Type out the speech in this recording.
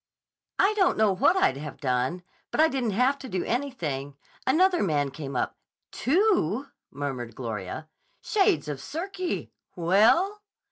"I don't know what I'd have done, but I didn't have to do anything. Another man came up—" "Two!" murmured Gloria. "Shades of Circe! Well?"